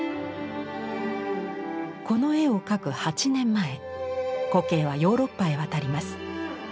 この絵を描く８年前古径はヨーロッパへ渡ります。